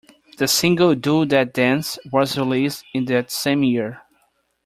The single "Do That Dance", was released in that same year.